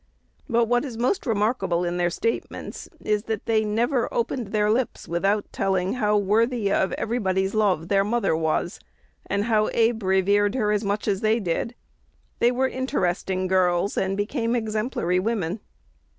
But what is most remarkable in their statements is, that they never opened their lips without telling how worthy of everybody's love their mother was, and how Abe revered her as much as they did. They were interesting girls, and became exemplary women.